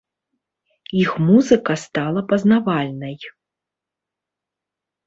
Іх музыка стала пазнавальнай.